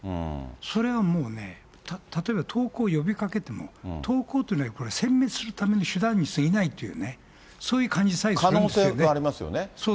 それはもうね、例えば投降を呼びかけても、投降っていうのは、これせん滅するための手段にすぎないというね、そういう感じさえ可能性はありますよね。